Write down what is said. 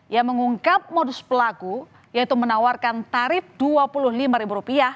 yang mengungkap modus pelaku yaitu menawarkan tarif rp dua puluh lima